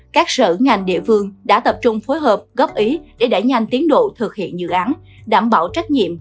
các sở ngành địa phương đã tập trung phối hợp góp ý để đẩy nhanh tiến độ thực hiện dự án đảm bảo trách nhiệm